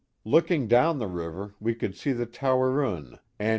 i Looking down the river, we could see the Towercune. and